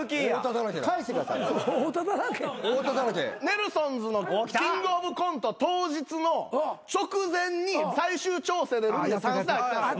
ネルソンズのキングオブコント当日の直前に最終調整でルミネ行ったんす。